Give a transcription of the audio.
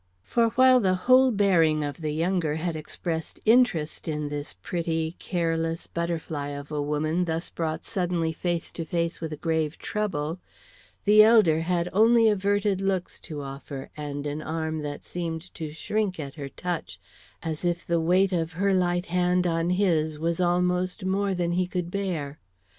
For while the whole bearing of the younger had expressed interest in this pretty, careless butterfly of a woman thus brought suddenly face to face with a grave trouble, the elder had only averted looks to offer, and an arm that seemed to shrink at her touch as if the weight of her light hand on his was almost more than he could bear.